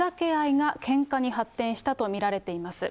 がけんかに発展したと見られています。